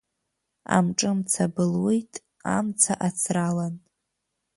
Амҿы мца былуеит амца ацралан…